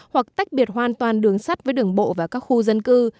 hoặc tách biệt hoàn toàn đường sắt với đường bộ và các khu dân cư